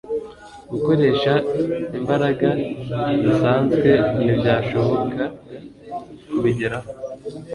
Gukoresha imbaraga zisanzwe ntibyashobokaga kubigeraho,